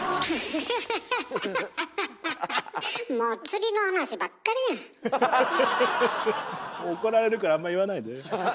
フフフッ怒られるからあんま言わないで。